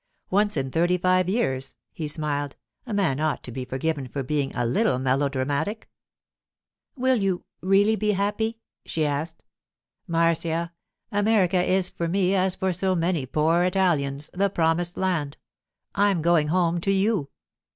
Once in thirty five years,' he smiled, 'a man ought to be forgiven for being a little melodramatic.' 'Will you—really be happy?' she asked. 'Marcia, America is for me, as for so many poor Italians, the promised land. I'm going home to you.